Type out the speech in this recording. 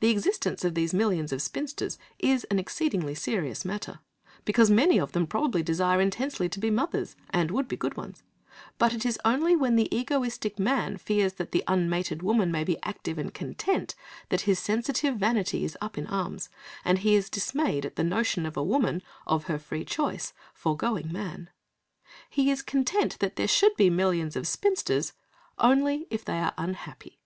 The existence of these millions of spinsters is an exceedingly serious matter, because many of them probably desire intensely to be mothers, and would be good ones; but it is only when the egoistic man fears that the unmated woman may be active and content, that his sensitive vanity is up in arms, and he is dismayed at the notion of a woman, of her free choice, forgoing man. He is content there should be millions of spinsters, if only they are unhappy.